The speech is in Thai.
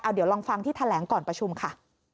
เดี๋ยวลองฟังที่แถลงก่อนประชุมค่ะ